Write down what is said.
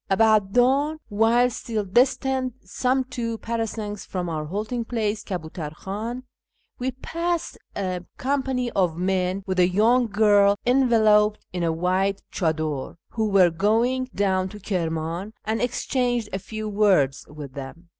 About dawn, while still distant some two parasangs from our halting place, Kabutar Kh;in, we passed a company of men, with a young girl enveloped in a white chddar, who were going down to Kirman, and exchanged a few words with them.